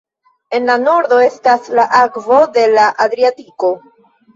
En la nordo estas la akvoj de la Adriatiko.